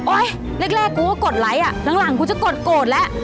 แรกกูก็กดไลค์อ่ะหลังกูจะกดโกรธแล้ว